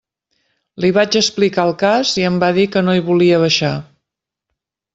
Li vaig explicar el cas i em va dir que no hi volia baixar.